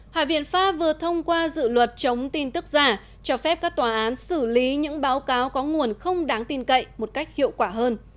hạ viện pháp vừa thông qua dự luật chống tin tức giả cho phép các tòa án xử lý những báo cáo có nguồn không đáng tin cậy một cách hiệu quả hơn